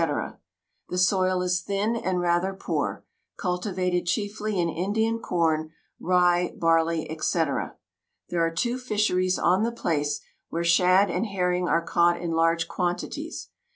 The soil is thin and rather poor, cultivated chiefly in Indian corn, rye, barley, &c. There are two fisheries on the place, where shad and herring are caught in large quantities.